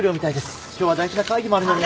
今日は大事な会議もあるのに。